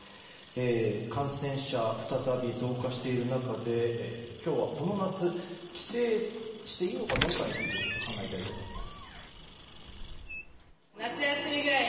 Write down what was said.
感染者、再び増加している中で今日はこの夏帰省していいのかについて考えたいと思います。